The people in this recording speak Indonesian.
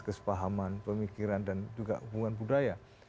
kesepahaman pemikiran dan juga hubungan budaya